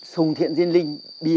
sùng thiện diên linh